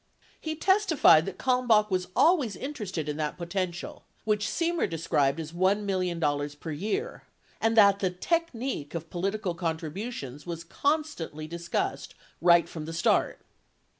42 He testified that Kalmbach was always interested in that "potential" — which Semer described as $1 million per year — and that the "technique of political contributions was constantly discussed right from the start."